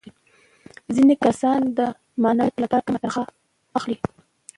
ځینې کسان د معنویاتو لپاره کمه تنخوا اخلي